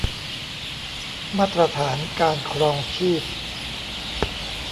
มาตรฐานการครองชีพ